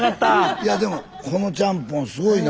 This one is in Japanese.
いやでもこのちゃんぽんすごいな。